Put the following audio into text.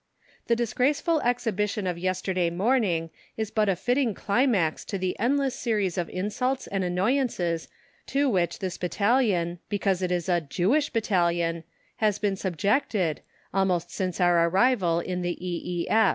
The disgraceful exhibition of yesterday morning is but a fitting climax to the endless series of insults and annoyances to which this battalion because it is a Jewish Battalion has been subjected, almost since our first arrival in the E.E.